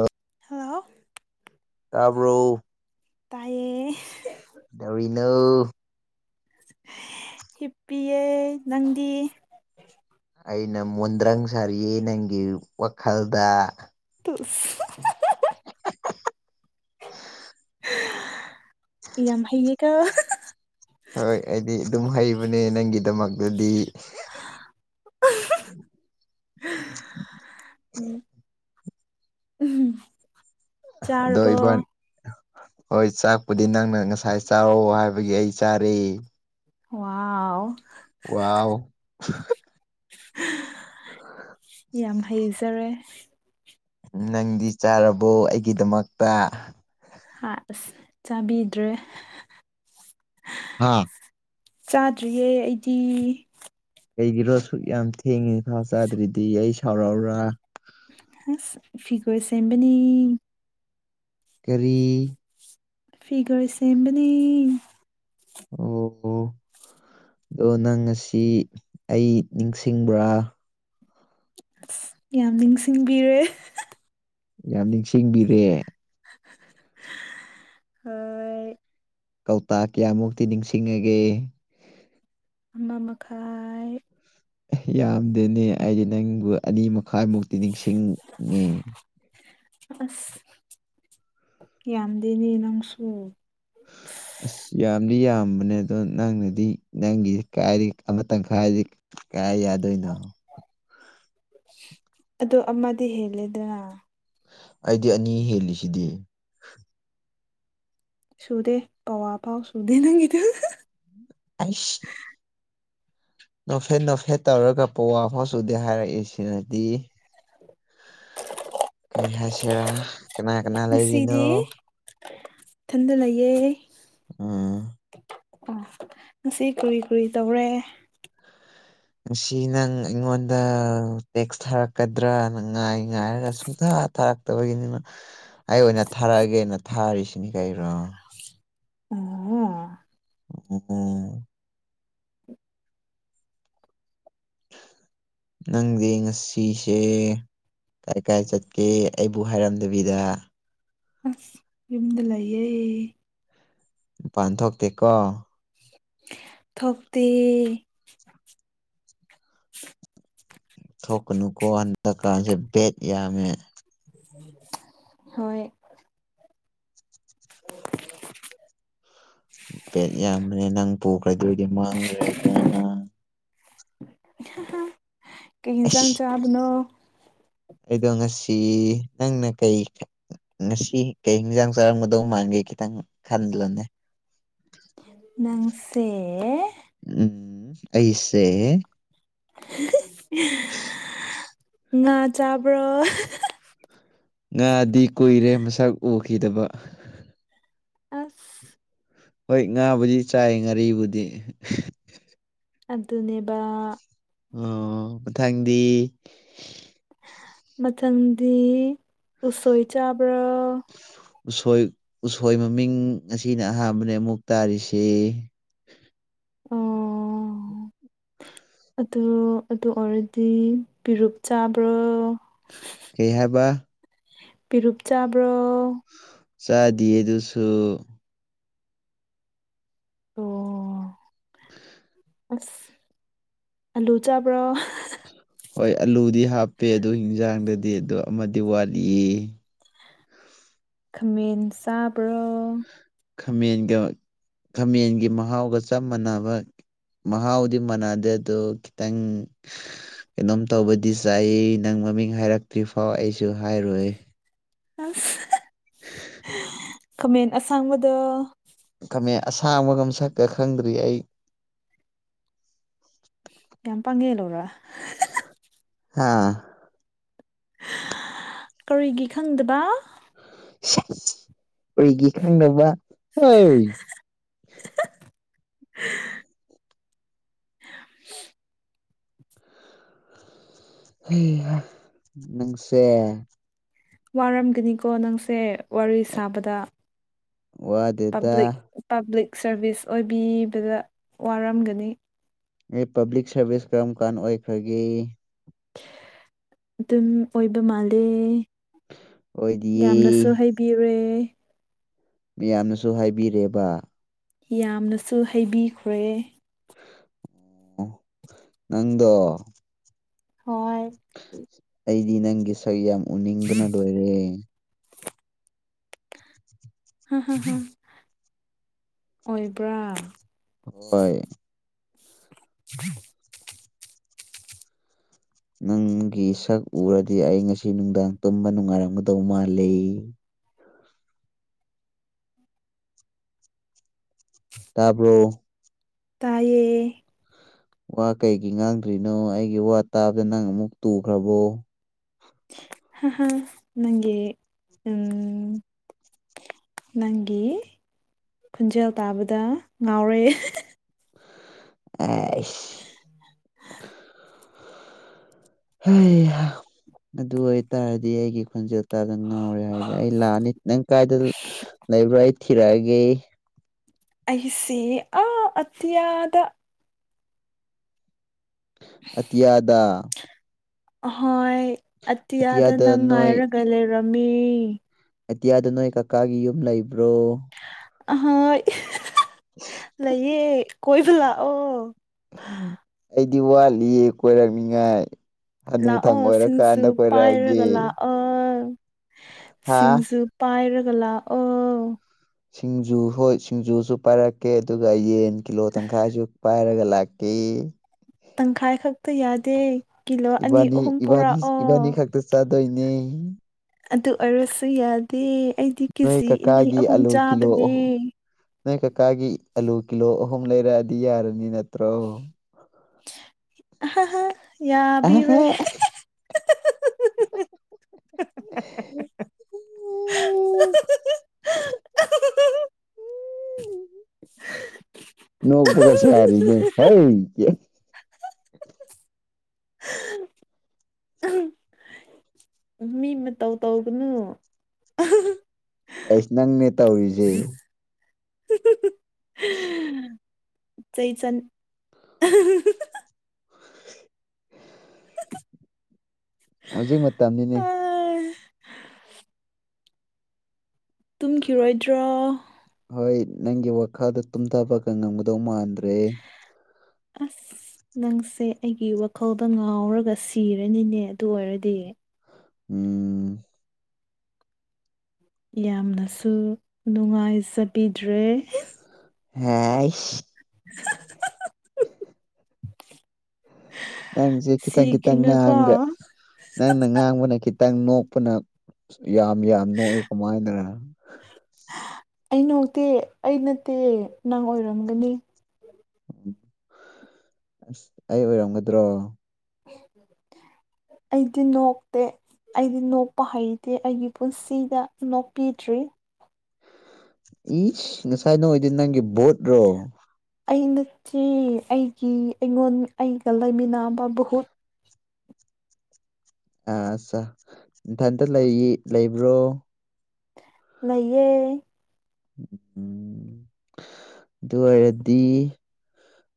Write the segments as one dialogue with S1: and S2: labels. S1: ꯑꯥ
S2: hello
S1: ꯇꯥꯕ꯭ꯔꯣ
S2: ꯇꯥꯏꯌꯦ
S1: ꯀꯩꯗꯧꯔꯤꯅꯣ
S2: ꯍꯤꯞꯄꯤꯌꯦ ꯅꯪꯗꯤ
S1: ꯑꯩꯅ ꯃꯣꯟꯗ꯭ꯔꯪ ꯁꯥꯔꯤꯌꯦ ꯅꯪꯒꯤ ꯋꯥꯈꯜꯗ
S2: ꯏꯁ
S1: [unintelligible]
S2: ꯌꯥꯝ ꯍꯩꯌꯦꯀꯣ
S1: ꯍꯣꯏ ꯑꯩꯗꯤ ꯑꯗꯨꯝ ꯍꯩꯕꯅꯦ ꯅꯪꯒꯤꯗꯃꯛꯗꯗꯤ [inaudible]
S2: ꯎꯝ
S1: ꯑꯗꯣ
S2: ꯆꯥꯔꯕꯣ
S1: ꯏꯕꯥꯟ ꯍꯣꯏ ꯆꯥꯛꯄꯨꯗꯤ ꯅꯪꯅ ꯉꯁꯥꯏ ꯆꯥꯔꯣ ꯍꯥꯏꯕꯒꯤ ꯑꯩ ꯆꯥꯔꯦ
S2: ꯋꯥꯎ
S1: ꯋꯥꯎ
S2: ꯌꯥꯝ ꯍꯩꯖꯔꯦ
S1: ꯅꯪꯗꯤ ꯆꯥꯔꯕꯣ ꯑꯩꯒꯤꯗꯃꯛꯇ
S2: ꯍꯥ ꯑꯁ ꯆꯥꯕꯤꯗ꯭ꯔꯦ
S1: ꯍꯥꯥ
S2: ꯆꯥꯗ꯭ꯔꯤꯌꯦ ꯑꯩꯗꯤ
S1: ꯀꯩꯒꯤꯔꯣ ꯁꯨꯛ ꯌꯥꯝ ꯊꯦꯡꯉꯤ ꯐꯥꯎ ꯆꯥꯗ꯭ꯔꯗꯤ ꯑꯩ ꯁꯥꯎꯔꯛꯑꯣꯔꯥ
S2: ꯍꯁ ꯐꯤꯒꯔ ꯁꯦꯝꯕꯥꯅꯤ
S1: ꯀꯔꯤ
S2: ꯐꯤꯒꯔ ꯁꯦꯝꯕꯅꯤ
S1: ꯑꯣ ꯑꯣ ꯑꯗꯣ ꯅꯪ ꯉꯁꯤ ꯑꯩ ꯅꯤꯡꯁꯤꯡꯕ꯭ꯔꯥ
S2: ꯌꯥꯝ ꯅꯤꯡꯁꯤꯡꯕꯤꯔꯦ
S1: ꯌꯥꯝ ꯅꯤꯡꯁꯤꯡꯕꯤꯔꯦ
S2: ꯍꯥ
S1: ꯀꯧꯇꯥ ꯀꯌꯥꯃꯨꯛꯇꯤ ꯅꯤꯡꯁꯤꯡꯉꯒꯦ
S2: ꯑꯃ ꯃꯈꯥꯏ
S1: ꯌꯥꯝꯗꯦꯅꯦ ꯑꯩꯗꯤ ꯅꯪꯕꯨ ꯑꯅꯤ ꯃꯈꯥꯏꯃꯨꯛꯇꯤ ꯅꯤꯡꯁꯤꯡꯉꯦ
S2: ꯑꯁ ꯌꯥꯝꯗꯦꯅꯦ ꯅꯪꯁꯨꯨ ꯑꯁ
S1: ꯑꯁ ꯌꯥꯝꯗꯤ ꯌꯥꯝꯕꯅꯦ ꯑꯗꯣ ꯅꯪꯅꯗꯤ ꯅꯪꯒꯤ ꯀꯥꯏꯗꯒꯤ ꯑꯃ ꯇꯪꯈꯥꯏꯗꯤ ꯀꯥꯏ ꯌꯥꯗꯣꯏꯅ
S2: ꯑꯗꯣ ꯑꯃꯗꯤ ꯍꯦꯜꯂꯦꯗꯅ
S1: ꯑꯩꯗꯤ ꯑꯅꯤ ꯍꯦꯜꯂꯤꯁꯤꯗꯤ
S2: ꯁꯨꯗꯦ ꯄꯥꯎꯋꯥ ꯐꯥꯎ ꯁꯨꯗꯦ ꯅꯪꯒꯤꯗꯣ
S1: ꯑꯩꯏꯁ ꯅꯣꯛꯐꯦꯠ ꯅꯣꯛꯐꯦꯠ ꯇꯧꯔꯒ ꯄꯋꯥ ꯐꯥꯎꯁꯨꯗꯦ ꯍꯥꯏꯔꯛꯏ ꯁꯤꯅꯗꯤ ꯀꯩ ꯍꯥꯏꯁꯤꯔꯥ ꯀꯅꯥ ꯀꯅꯥ ꯂꯩꯔꯤꯅꯣ
S2: ꯉꯁꯤꯗꯤ ꯏꯊꯟꯗ ꯂꯩꯌꯦ
S1: ꯎꯝ
S2: ꯑꯝ ꯉꯁꯤ ꯀꯔꯤ ꯀꯔꯤ ꯇꯧꯔꯦ
S1: ꯉꯁꯤ ꯅꯪ ꯑꯩꯉꯣꯟꯗ ꯇꯦꯛꯁ ꯊꯥꯔꯛꯀꯗ꯭ꯔꯥꯅ ꯉꯥꯏ ꯉꯥꯏꯔꯒꯥ ꯁꯨꯛꯊꯥ ꯊꯥꯔꯛ ꯇꯕꯒꯤꯅꯤꯅ ꯑꯩ ꯑꯣꯏꯅ ꯊꯥꯔꯛꯑꯒꯦꯅ ꯊꯥꯔꯤꯁꯤꯅꯤ ꯀꯩꯔꯣ
S2: ꯑꯣ ꯑꯣ
S1: ꯑꯣ ꯅꯪꯗꯤ ꯉꯁꯤꯁꯦ ꯀꯥꯏ ꯀꯥꯏ ꯆꯠꯀꯦ ꯑꯩꯕꯨ ꯍꯥꯏꯔꯝꯗꯕꯤꯗ
S2: ꯑꯁ ꯌꯨꯝꯗ ꯂꯩꯌꯦ
S1: ꯃꯥꯄꯥꯟ ꯊꯣꯛꯇꯦ ꯀꯣ
S2: ꯊꯣꯛꯇꯦ
S1: ꯊꯣꯛꯀꯅꯨꯀꯣ ꯍꯟꯗꯛ ꯀꯥꯟꯁꯦ ꯕꯦꯠ ꯌꯥꯝꯃꯦ
S2: ꯍꯣꯏ ꯑꯣ [unintelligible]
S1: ꯕꯦꯠ ꯌꯥꯝꯕꯅꯦ ꯅꯪ ꯄꯨꯈ꯭ꯔꯗꯣꯏꯗꯤ ꯃꯥꯡꯈ꯭ꯔꯦꯗꯅ
S2: ꯍꯥꯍꯥ ꯀꯩ ꯑꯦꯟꯁꯥꯡ
S1: ꯑꯁ
S2: ꯆꯥꯕꯅꯣ
S1: ꯑꯩꯗꯣ ꯉꯁꯤ ꯅꯪꯅ ꯀꯩ ꯉꯁꯤ ꯀꯩ ꯍꯤꯡꯖꯥꯡ ꯆꯥꯔꯝꯒꯗꯧ ꯃꯥꯟꯒꯦ ꯈꯤꯇꯪ ꯈꯟꯂꯣꯅꯦ
S2: ꯅꯪꯁꯦ
S1: ꯎꯝ ꯑꯩꯁꯦ
S2: ꯍꯤꯍꯤ ꯉꯥ ꯆꯥꯕ꯭ꯔꯣ ꯍꯤꯍꯤ
S1: ꯉꯥꯗꯤ ꯀꯨꯏꯔꯦ ꯃꯁꯛ ꯎꯈꯤꯗꯕ
S2: ꯑꯁ
S1: ꯍꯣꯏ ꯉꯥꯕꯨꯗꯤ ꯆꯥꯏ ꯉꯥꯔꯤꯕꯨꯗꯤ
S2: ꯑꯗꯨꯅꯦꯕ
S1: ꯎꯝ ꯃꯊꯪꯗꯤ
S2: ꯃꯊꯪꯗꯤ ꯎꯁꯣꯏ ꯆꯥꯕ꯭ꯔꯣ
S1: ꯎꯁꯣꯏ ꯎꯁꯣꯏ ꯃꯃꯤꯡ ꯉꯁꯤꯅ ꯑꯍꯥꯟꯕꯅꯦ ꯑꯃꯨꯛ ꯇꯥꯔꯤꯁꯦ
S2: ꯑꯣ ꯑꯗꯨ ꯑꯗꯨ ꯑꯣꯏꯔꯗꯤ ꯄꯤꯔꯨꯛ ꯆꯥꯕ꯭ꯔꯣ
S1: ꯀꯩ ꯍꯥꯏꯕ
S2: ꯄꯤꯔꯨꯞ ꯆꯥꯕ꯭ꯔꯣ
S1: ꯆꯥꯗꯤꯌꯦ ꯑꯗꯨꯁꯨ
S2: ꯑꯣ ꯑꯁ ꯑꯂꯨ ꯆꯥꯕ꯭ꯔꯣ
S1: ꯍꯣꯏ ꯑꯂꯨꯗꯤ ꯍꯥꯞꯄꯦ ꯑꯗꯣ ꯍꯤꯟꯖꯥꯡꯗꯗꯤ ꯑꯗꯣ ꯑꯃꯗꯤ ꯋꯥꯠꯂꯤꯌꯦ
S2: ꯈꯥꯃꯦꯟ ꯆꯥꯕ꯭ꯔꯣ
S1: ꯈꯥꯃꯦꯟꯒ ꯈꯥꯃꯦꯟꯒꯤ ꯃꯍꯥꯎꯒ ꯆꯞ ꯃꯥꯟꯅꯕ ꯃꯍꯥꯎꯗꯤ ꯃꯥꯟꯅꯗꯦ ꯑꯗꯣ ꯈꯤꯇꯪ ꯀꯩꯅꯣꯝ ꯇꯧꯕꯗꯤ ꯆꯥꯏ ꯅꯪ ꯃꯃꯤꯡ ꯍꯥꯏꯔꯛꯇ꯭ꯔꯤ ꯐꯥꯎ ꯑꯩꯁꯨ ꯍꯥꯏꯔꯣꯏ
S2: ꯑꯁ ꯈꯃꯦꯟ ꯑꯁꯡꯕꯗꯣ
S1: ꯈꯃꯦꯟ ꯑꯁꯥꯡꯕꯒ ꯃꯁꯛꯀ ꯈꯪꯗ꯭ꯔꯤ ꯑꯩ
S2: ꯌꯥꯝ ꯄꯪꯒꯦ ꯂꯨꯔ
S1: ꯍꯥ
S2: ꯀꯔꯤꯒꯤ ꯈꯪꯗꯕ
S1: ꯁꯦꯁ ꯀꯩꯒꯤ ꯈꯪꯗꯕ ꯍꯣꯏ
S2: [unintelligible]
S1: ꯍꯩꯍꯥ ꯅꯪꯁꯦ
S2: ꯋꯥꯔꯝꯒꯅꯤꯀꯣ ꯅꯪꯁꯦ ꯋꯥꯔꯤ ꯁꯥꯕꯗ ꯄꯥꯕ꯭ꯂꯤꯛ
S1: ꯋꯥꯗꯦꯗ
S2: ꯄꯕ꯭ꯂꯤꯛ ꯁꯔꯚꯤꯁ ꯑꯣꯏꯕꯤꯕꯗ ꯋꯥꯔꯝꯒꯅꯤ
S1: ꯑꯩ ꯄꯥꯕ꯭ꯂꯤꯛ ꯁꯥꯔꯚꯤꯁ ꯀꯔꯝ ꯀꯥꯟ ꯑꯣꯏꯈ꯭ꯔꯒꯦ
S2: ꯑꯗꯨꯝ ꯑꯣꯏꯕ ꯃꯥꯜꯂꯦ ꯌꯥꯝꯅꯁꯨ
S1: ꯑꯣꯏꯗꯤꯌꯦ
S2: ꯍꯩ ꯕꯤꯔꯦ
S1: ꯃꯤꯌꯥꯝꯅꯁꯨ ꯍꯥꯏꯕꯤꯔꯦꯕ
S2: ꯌꯥꯝꯅꯁꯨ ꯍꯩꯕꯤꯈ꯭ꯔꯦ
S1: ꯑꯣ ꯅꯪꯗꯣ
S2: ꯍꯣꯏ
S1: ꯑꯩꯗꯤ ꯅꯪꯒꯤ ꯁꯛ ꯌꯥꯝ ꯎꯅꯤꯡꯕꯅ ꯂꯣꯏꯔꯦ
S2: ꯍꯪ ꯍ ꯪꯍ ꯪꯑꯣꯏꯕ꯭ꯔꯥ
S1: ꯍꯣꯏ
S2: ꯎꯝ
S1: ꯅꯪꯒꯤ ꯁꯛ ꯎꯔꯗꯤ ꯑꯩ ꯉꯁꯤ ꯅꯨꯡꯗꯥꯡ ꯇꯨꯝꯕ ꯅꯨꯡꯉꯥꯏꯔꯝꯒꯗꯧ ꯃꯥꯜꯂꯤ ꯇꯥꯕꯔꯣ
S2: ꯇꯥꯏꯌꯦ
S1: ꯋꯥ ꯀꯩꯒꯤ ꯉꯥꯡꯗ꯭ꯔꯤꯅꯣ ꯑꯩꯒꯤ ꯋꯥ ꯇꯥꯕꯗ ꯅꯪ ꯑꯃꯨꯛ ꯇꯨꯈ꯭ꯔꯕꯣ
S2: ꯑ ꯍ ꯅꯪꯒꯤ ꯎꯝ ꯅꯪꯒꯤ ꯈꯟꯖꯦꯜ ꯇꯥꯕꯗ ꯉꯥꯎꯔꯦ
S1: ꯑꯥꯏꯁ
S2: ꯍꯥ
S1: ꯑꯩꯒꯥ ꯑꯗꯨ ꯑꯣꯏꯇꯥꯔꯗꯤ ꯑꯩꯒꯤ ꯈꯣꯟꯖꯦꯜ ꯇꯥꯗ ꯉꯥꯎꯔꯦ ꯍꯥꯏꯔꯅ ꯑꯩ ꯂꯥꯛꯑꯅꯤ ꯅꯪ ꯀꯥꯏꯗ ꯂꯩꯕ꯭ꯔꯥ ꯑꯩ ꯊꯤꯔꯛ ꯑꯒꯦ
S2: ꯑꯩꯁꯤ ꯑ ꯑꯇꯌꯥꯗ
S1: ꯑꯇꯤꯌꯥꯗꯥ
S2: ꯑꯍꯣꯏ ꯑꯇꯤꯌꯥꯗ ꯅꯪ ꯉꯥꯏꯔꯒ ꯂꯩꯔꯝꯃꯤ
S1: ꯑꯇꯤꯌꯥꯗ ꯅꯣꯏ ꯀꯀꯥꯒꯤ ꯌꯨꯝ ꯂꯩꯕ꯭ꯔꯣ
S2: ꯑꯍꯣꯏ ꯂꯩꯌꯦ ꯀꯣꯏꯕ ꯂꯥꯛꯑꯣ
S1: ꯑꯩꯗꯤ ꯋꯥꯠꯂꯤꯌꯦ ꯀꯣꯏꯔꯛꯅꯤꯉꯥꯏ ꯍꯅꯨꯊꯪ
S2: ꯂꯥꯛꯑꯣ ꯁꯤꯡꯖꯨ
S1: ꯑꯣꯏꯔꯀꯥꯟꯗ
S2: ꯄꯥꯏꯔꯒ
S1: ꯀꯣꯏꯔꯛꯑꯒꯦ
S2: ꯂꯥꯛꯑꯣ
S1: ꯍꯥ
S2: ꯁꯤꯡꯖꯨ ꯄꯥꯏꯔꯒ ꯂꯛ ꯑꯣ
S1: ꯁꯤꯡꯖꯨ ꯍꯣꯏ ꯁꯤꯡꯖꯨꯁꯨ ꯄꯥꯏꯔꯛꯀꯦ ꯑꯗꯨꯒ ꯌꯦꯟ ꯀꯤꯂꯣ ꯇꯪꯈꯥꯏꯁꯨ ꯄꯥꯏꯔꯒ ꯂꯀꯤ
S2: ꯇꯪꯈꯥꯏ ꯈꯛꯇ ꯌꯥꯗꯦ ꯀꯤꯂꯣ ꯑꯅꯤ
S1: ꯏꯕꯥꯅꯤ
S2: ꯑꯍꯨꯝ
S1: ꯏꯕꯥꯅꯤ
S2: ꯄꯨꯔꯛꯑꯣ
S1: ꯏꯕꯥꯅꯤ ꯈꯥꯛꯇ ꯆꯥꯗꯣꯏꯅꯦ
S2: ꯑꯗꯨ ꯑꯣꯏꯔꯁꯨ ꯌꯥꯗꯦ ꯑꯩꯗꯤ
S1: ꯅꯣꯏ
S2: ꯀꯦꯖꯤ ꯏꯅꯤ
S1: ꯀꯀꯥꯒꯤ
S2: ꯑꯍꯨꯝ ꯆꯥꯕꯅꯦ
S1: ꯅꯪ ꯀꯀꯥꯒꯤ ꯑꯂꯨ ꯀꯤꯂꯣ ꯑꯍꯨꯝ ꯂꯩꯔꯛꯑꯗꯤ ꯌꯥꯔꯕ ꯅꯠꯇ꯭ꯔꯣ
S2: ꯑꯍꯥꯍꯥ ꯌꯥꯕꯤꯔꯣꯏ
S1: ꯑꯍꯥꯍꯥ
S2: [unintelligible]
S1: ꯎ
S2: [unintelligible]
S1: ꯅꯣꯛ ꯄꯒ ꯁꯔꯤꯅꯦ ꯍꯩꯏ꫰
S2: ꯃꯤ ꯃꯇꯧ ꯇꯧꯒꯅꯨ
S1: ꯑꯩꯁ ꯅꯪꯅꯦ ꯇꯧꯔꯤꯁꯦ
S2: ꯆꯩ ꯆꯩꯆꯟ
S1: ꯍ ꯍꯧꯖꯤꯛ ꯃꯇꯝꯅꯤꯅꯦ
S2: ꯑꯥ, ꯇꯨꯝꯈꯤꯔꯣꯏꯗ꯭ꯔꯣ
S1: ꯍꯣꯏ ꯅꯪꯒꯤ ꯋꯥꯈꯜꯗ ꯇꯨꯝꯊꯕꯒ ꯉꯝꯒꯗꯧ ꯃꯥꯟꯗ꯭ꯔꯦ
S2: ꯑꯁ ꯅꯪꯁꯦ ꯑꯩꯒꯤ ꯋꯥꯈꯜꯗ ꯉꯥꯎꯔꯒ ꯁꯤꯔꯅꯤꯅꯦ ꯑꯗꯨ ꯑꯣꯏꯔꯗꯤ
S1: ꯎꯝ
S2: ꯌꯥꯝꯅꯁꯨ ꯅꯨꯡꯉꯥꯏꯖꯕꯤꯗ꯭ꯔꯦ
S1: ꯍꯥꯏ
S2: [unintelligible]
S1: ꯅꯪꯁꯦ ꯈꯤꯇꯪ ꯈꯤꯇꯪ
S2: ꯁꯤꯈꯤꯅꯨꯀꯣ
S1: ꯉꯥꯡꯉꯒ ꯅꯪꯅ ꯉꯥꯡꯕꯅ ꯈꯤꯇꯪ ꯅꯣꯛꯄꯅ ꯌꯥꯝ ꯌꯥꯝ ꯅꯣꯛꯑ‌ꯦ ꯀꯃꯥꯏꯅꯔꯥ
S2: ꯑꯩ ꯅꫭꯛꯇꯦ ꯑꯩ ꯅꯠꯇꯦ ꯅꯪ ꯑꯣꯏꯔꯝꯒꯅꯤ
S1: ꯎꯝ ꯑꯁ ꯑꯩ ꯑꯣꯏꯔꯝꯒꯗ꯭ꯔꯣ
S2: ꯑꯩꯗꯤ ꯅꯣꯛꯇꯦ ꯑꯩꯗꯤ ꯅꯣꯛꯄ ꯍꯩꯇꯦ ꯑꯩꯒꯤ ꯄꯨꯟꯁꯤꯗ ꯅꯣꯛꯄꯤꯗ꯭ꯔꯤ
S1: ꯏꯁ ꯉꯁꯥꯏ ꯅꫭꯛꯏꯗꯨ ꯅꯪꯒꯤ ꯚꯣꯠꯔꯣ
S2: ꯑꯩ ꯅꯠꯇ‌ꯦ ꯑꯩꯒꯤ ꯑꯩꯉꯣꯟ ꯑꯩꯒ ꯂꯩꯃꯤꯟꯅꯕ ꯕꯨ꯭ꯍꯨꯠ
S1: ꯑꯥ ꯑꯠꯆꯥ ꯏꯊꯟꯇ ꯂꯩ ꯂꯩꯕ꯭ꯔꯣ
S2: ꯂꯩꯌꯦ
S1: ꯎꯝ
S2: [inaudible]
S1: ꯑꯗꯨ ꯑꯣꯏꯔꯗꯤ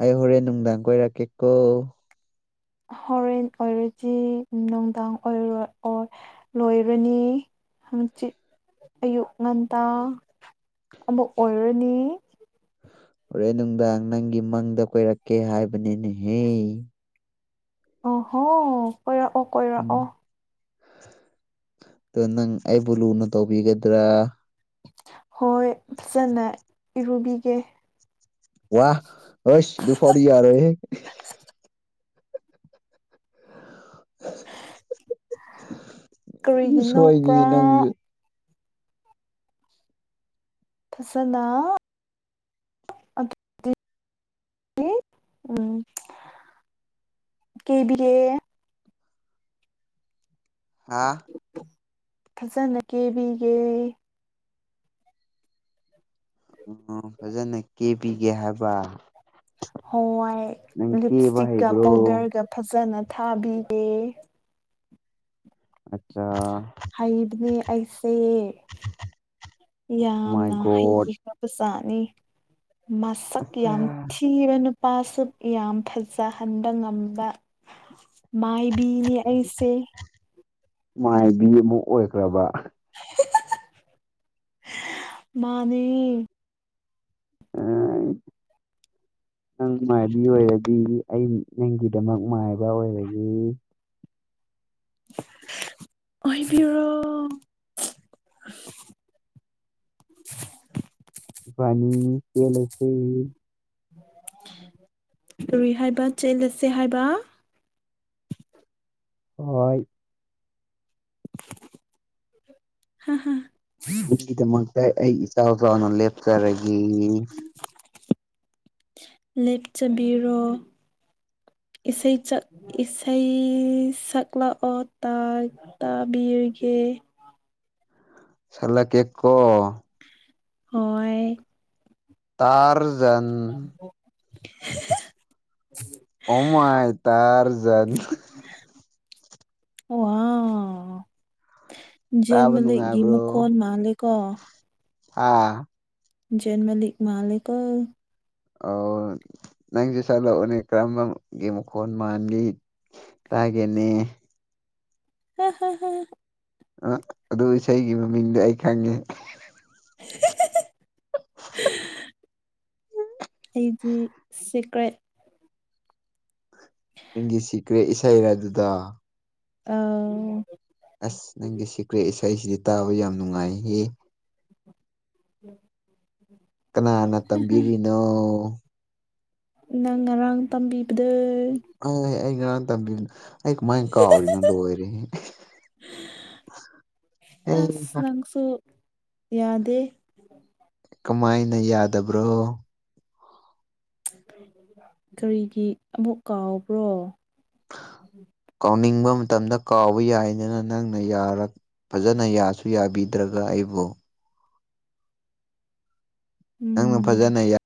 S1: ꯑꯩ ꯍꯣꯔꯦꯟ ꯅꯨꯡꯗꯥꯡ ꯀꯣꯏꯔꯛꯀꯦꯀꯣ
S2: ꯍꯣꯔꯦꯟ ꯑꫭꯏꯔꯗꯤ ꯅꯨꯡꯗꯥꯡ ꯑꯣꯏꯔꯣꯏ ꯑꯣ ꯂꯣꯏꯔꯅꯤ ꯍꯪꯆꯤꯠ ꯑꯌꯨꯛ ꯉꯟꯇꯥ ꯑꯃꯨꯛ ꯑꯣꯏꯔꯅꯤ
S1: ꯍꯣꯔꯦꯟ ꯅꯨꯡꯗꯥꯡ ꯅꯪꯒꯤ ꯃꯪꯗ ꯀꯣꯏꯔꯛꯀꯦ ꯍꯥꯏꯕꯅꯤꯅꯦꯍꯦ
S2: ꯑꫭꯍꯣ ꯀꯣꯏꯔꯛꯑꯣ
S1: ꯎꯝ
S2: ꯀꯣꯏꯔꯛꯑꯣ
S1: ꯑꯗꫭ ꯅꯪ ꯑꯩꯕꯨ ꯂꯨꯅ ꯇꯧꯕꯤꯒꯗ꯭ꯔꯥ
S2: ꯍꯣꯏ ꯐꯖꯅꯥ ꯏꯔꯨꯕꯤꯒꯦ
S1: ꯋꯥꯍ ꯍꯁ ꯑꯗꯨ ꯐꯥꯎꯗꯤ ꯌꯥꯔꯣꯏꯍ‌ꯦ
S2: ꯀꯔꯤꯒꯤ
S1: ꯁꯣꯏꯅꯤ
S2: ꯅꫭꯛꯄꯥ
S1: ꯅꯪꯖꯨ
S2: ꯐꯖꯅꯥ ꯑꯗꯨ [unintelligible] ꯎꯝ [unintelligible] ꯀ‌ꯦꯕꯤꯒ‌ꯦ
S1: ꯍꯥ
S2: ꯐꯖꯅꯥ ꯀꯦꯕꯤꯒꯦ
S1: ꯎꯝ ꯐꯖꯅ ꯀꯦꯕꯤꯒꯦ ꯍꯥꯏꯕ꯭ꯔꯥ
S2: ꯍꯣꯏꯋꯥꯏ
S1: ꯀꯦꯕ
S2: ꯂꯤꯞꯁꯇꯤꯛꯀꯥ
S1: ꯍꯩꯕ꯭ꯔꯣ
S2: ꯄꯥꯎꯗꯔꯒꯥ ꯐꯖꯅꯥ ꯊꯥꯕꯤꯒ‌ꯦ
S1: ꯑꯆꯥ
S2: ꯍꯩꯕꯅꯦ ꯑꯩꯁꯦ
S1: ꯃꯥꯏ
S2: ꯌꯥꯝꯅ ꯍꯩ
S1: ꯒꯣꯗ
S2: [unintelligible] ꯆꯥꯅꯤ ꯃꯁꯛ
S1: ꯑꯠꯆꯥ
S2: ꯌꯥꯝ ꯊꯤꯕꯅ ꯅꯨꯞ ꯅꯨꯄꯥꯁꯨ ꯌꯥꯝ ꯐꯖꯍꯟꯕꯥ ꯉꯝꯕꯥ ꯃꯥꯏꯕꯤꯅꯤ ꯑꯩꯁꯦ
S1: ꯃꯥꯏꯕꯤ ꯑꯃꯨꯛ ꯑꯣꯏꯈ꯭ꯔꯕꯥ
S2: [unintelligible] ꯃꯥꯅꯤ
S1: ꯑꯥ ꯅꯪ ꯃꯥꯏꯕꯤ ꯑꯣꯏꯔꯗꯤ ꯑꯩ ꯅꯪꯒꯤꯗꯃꯛ ꯃꯥꯏꯕ ꯑꯣꯏꯔꯒ‌ꯦ
S2: ꯑꯣꯏꯕꯤꯔꯣ
S1: ꯏꯕꯥꯅꯤ ꯆꯦꯜꯂꯁꯦ
S2: ꯀꯔꯤ ꯍꯥꯏꯕ ꯆꯦꯜꯂꯁꯦ ꯍꯥꯏꯕ
S1: ꯍꯣꯏ
S2: [unintelligible]
S1: ꯑꯗꯨꯒꯤꯗꯃꯛꯇꯥ ꯑꯩ ꯏꯆꯥꯎ ꯆꯥꯎꯅ ꯂꯦꯞꯆꯔꯒꯦ
S2: ꯂꯦꯞꯆꯕꯤꯔꯣ ꯏꯁꯩꯩ ꯆꯠ ꯏꯁꯩ ꯁꯛꯂꯛꯑꯣ ꯇꯥ ꯇꯥꯕꯤꯔꯒꯦ
S1: ꯁꯛꯂꯥꯛꯀꯦꯀꯣ
S2: ꯍꯣꯏ
S1: ꯇꯥꯔꯖꯟ
S2: [unintelligible]
S1: ꯑꯣꯃꯥꯏ ꯇꯔꯖꯟ
S2: ꯋꯥꯎ ꯖꯦꯟ
S1: ꯇꯥꯕ
S2: ꯃꯥꯜꯂꯤꯀꯣ
S1: ꯅꯨꯡꯉꯥꯏꯕ꯭ꯔꯣ
S2: ꯃꯈꯣꯟ ꯃꯥꯜꯂꯦ ꯀꯣ
S1: ꯑꯥ
S2: ꯖꯦꯟꯃꯂꯤꯛ ꯃꯥꯂꯦꯀꯣ
S1: ꯑꯧ ꯅꯪꯖꯨ ꯁꯛꯂꯛꯑꯣꯅꯦ ꯀꯔꯝꯕꯒꯤ ꯃꯈꯣꯟ ꯃꯥꯜꯂꯤ ꯇꯒꯦꯅꯦ
S2: [unintelligible]
S1: ꯑꯥ ꯑꯗꯨ ꯏꯁꯩꯒꯤ ꯃꯃꯤꯡꯗꯣ ꯑꯩ ꯈꯪꯉꯤ
S2: [unintelligible] ꯑꯩꯗꯤ ꯁꯤꯀ꯭ꯔꯦꯠ
S1: ꯅꯪꯒꯤ ꯁꯤꯀ꯭ꯔꯦ ꯏꯁꯩꯔꯥꯗꯨꯗꯣ
S2: ꯑꯧ
S1: ꯑꯁ ꯅꯪꯒꯤ ꯁꯤꯀ꯭ꯔꯦꯠ ꯏꯁꯩꯁꯤꯗꯤ ꯇꯥꯕ ꯌꯥꯝ ꯅꯨꯡꯉꯥꯏꯍꯦ
S2: [inaudible]
S1: ꯀꯅꯥꯅ ꯇꯝꯕꯤꯔꯤꯅꯣ
S2: ꯅꯪ ꯉꯔꯥꯡ ꯇꯝꯕꯤꯕꯗꯣ
S1: ꯑꯦ ꯑꯩ ꯉꯔꯥꯡ ꯇꯝꯕꯤ ꯑꯩ ꯀꯃꯥꯏ ꯀꯥꯎꯔꯤꯅꯣ ꯂꯣꯏꯔꯦꯍꯦ ꯑꯦꯍ
S2: ꯎ ꯌꯥꯗꯦ
S1: ꯀꯃꯥꯏꯅ ꯌꯥꯗꯕ꯭ꯔꯣ
S2: ꯀꯔꯤꯒꯤ ꯑꯃꯨꯛ ꯀꯥꯎꯕ꯭ꯔꯣ ꯎꯝ
S1: ꯀꯥꯎꯅꯤꯡꯕ ꯃꯇꯝꯗ ꯀꯥꯎꯕ ꯌꯥꯏꯗꯅ ꯅꯪꯅ ꯌꯥꯔ ꯐꯖꯅ ꯌꯥꯁꯨ ꯌꯥꯕꯤꯗ꯭ꯔꯒ ꯑꯩꯕꯨ
S2: ꯎꯝ
S1: ꯐꯖꯟꯅ ꯌꯥ